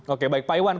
oke baik pak iwan